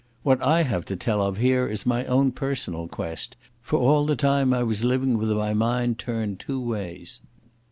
What I have to tell of here is my own personal quest, for all the time I was living with my mind turned two ways.